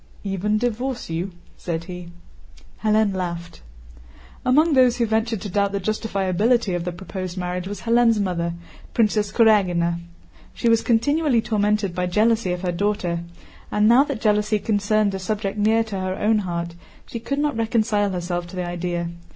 "Even divorce you?" said he. Hélène laughed. Among those who ventured to doubt the justifiability of the proposed marriage was Hélène's mother, Princess Kurágina. She was continually tormented by jealousy of her daughter, and now that jealousy concerned a subject near to her own heart, she could not reconcile herself to the idea.